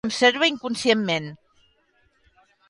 Un hàbit de mariner que conserva inconscientment.